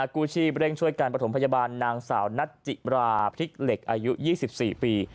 กู้ชีพเร่งช่วยการประถมพยาบาลนางสาวนัทจิราพริกเหล็กอายุ๒๔ปี